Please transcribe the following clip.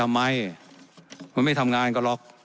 และยังเป็นประธานกรรมการอีก